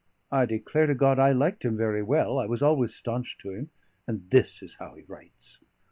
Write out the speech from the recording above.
I declare to God I liked him very well; I was always staunch to him; and this is how he writes!